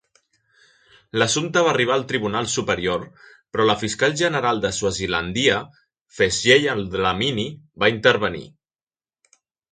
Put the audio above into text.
L'assumpte va arribar al Tribunal Superior, però la Fiscal General de Swazilandia, Phesheya Dlamini, va intervenir.